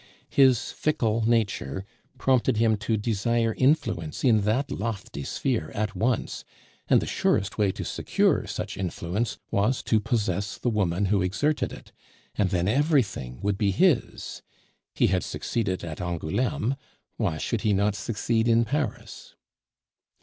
His fickle nature prompted him to desire influence in that lofty sphere at once, and the surest way to secure such influence was to possess the woman who exerted it, and then everything would be his. He had succeeded at Angouleme, why should he not succeed in Paris?